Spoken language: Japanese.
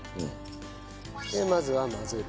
でまずは混ぜる。